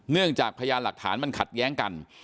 เนื่องจากพยานหลักฐานมันขัดแย้งกัน